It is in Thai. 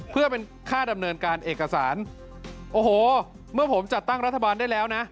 เพื่อเป็นค่าดำเนินการเอกสารโอ้โหเมื่อผมจัดตั้งรัฐบาลได้แล้วนะ